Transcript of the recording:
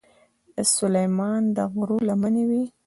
د سلیمان د غرو لمنې وې.